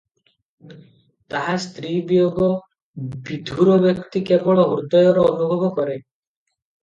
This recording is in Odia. ତାହା ସ୍ତ୍ରୀ ବିୟୋଗବିଧୂର ବ୍ୟକ୍ତି କେବଳ ହୃଦୟରେ ଅନୁଭବ କରେ ।